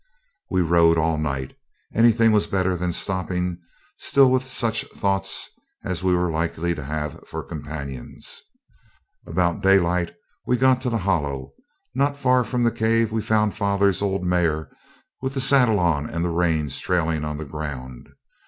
We rode all night. Anything was better than stopping still with such thoughts as we were likely to have for companions. About daylight we got to the Hollow. Not far from the cave we found father's old mare with the saddle on and the reins trailing on the ground.